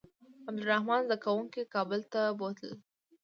عبدالرحمن زده کوونکي کابل ته بوتلل.